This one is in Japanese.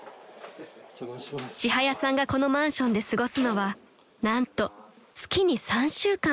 ［ちはやさんがこのマンションで過ごすのは何と月に３週間］